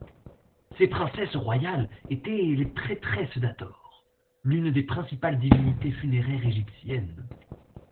Ces princesses royales étaient les prêtresses d'Hathor, l'une des principales divinités funéraires égyptiennes.